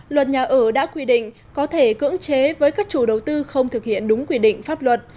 luật nhà ở đã quy định có thể cưỡng chế với các chủ đầu tư không thực hiện đúng quy định pháp luật